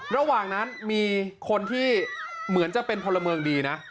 ระหว่างนั้นมีคนที่เหมือนจะเป็นพลเมืองดีนะ